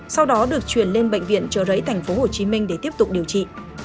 sau đó được chuyển lên bệnh viện trợ rẫy tp hcm để tiếp tục điều trị